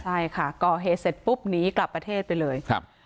ใช่ค่ะก่อเหตุเสร็จปุ๊บหนีกลับประเทศไปเลยครับ